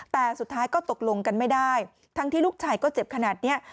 แต่สุดท้ายก็ตกลงกันไม่ได้ทั้งที่ลูกชายก็เจ็บขนาดนี้